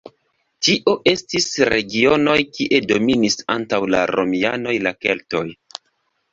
Tio estis regionoj kie dominis antaŭ la romianoj la keltoj.